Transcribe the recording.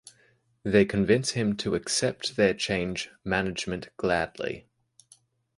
They convince him to accept their change management gladly.